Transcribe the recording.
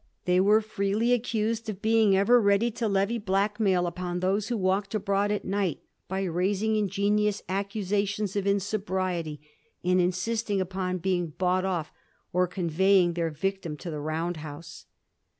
They are freely accused of being ever ready to levy blackmail upon those who walked abroad at night by raising ingenious accusations of insobriety, and insisting upon being bought off, or conveying their victim to the round house.